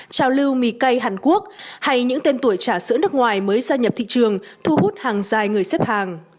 trào lưu mì cây hàn quốc hay những tên tuổi trà sữa nước ngoài mới gia nhập thị trường thu hút hàng dài người xếp hàng